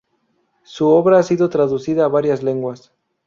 Su obra ha sido traducida a varias lenguas.